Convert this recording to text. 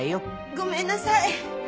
ごめんなさい！